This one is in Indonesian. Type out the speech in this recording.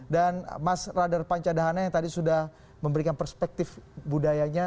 dan mas radar panca dahana yang tadi sudah memberikan perspektif budayanya